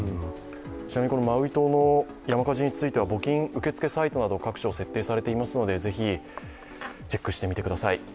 ちなみにマウイ島の山火事については募金、各所設定されていますのでぜひ、チェックしてみてください。